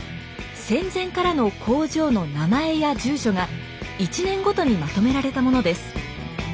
戦前からの工場の名前や住所が１年ごとにまとめられたものです。